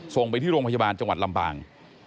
ส่งไปที่โรงพยาบาลจังหวัดลำปาง